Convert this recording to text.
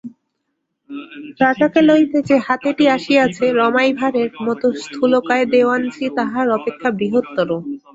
রাজাকে লইতে যে হাতিটি আসিয়াছে রমাই ভাঁড়ের মতে স্থূলকায় দেওয়ানজি তাহার অপেক্ষা বৃহত্তর।